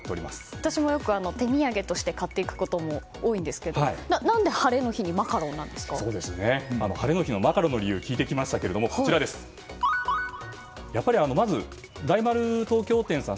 私も、よく手土産として買うことも多いんですがなぜ晴れの日に晴れの日のマカロンの理由も聞いてきましたがまず大丸東京店さん